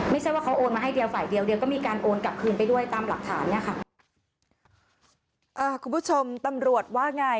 ไม่ใช่ว่าเขาโอนมาให้เดียวฝ่ายเดียวเดี๋ยวก็มีการโอนกลับคืนไปด้วยตามหลักฐานเนี้ยค่ะอ่าคุณผู้ชมตำรวจว่าไง